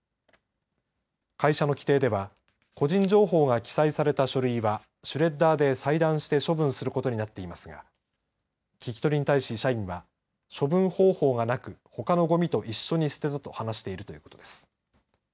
会社の規程では個人情報が記載された書類はシュレッダーで細断して処分することになっていますが聞き取りに対し社員は処分方法がなく、ほかのごみと一緒に捨てたと話しているということです。